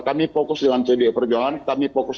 kami fokus dengan pdi perjuangan kami fokus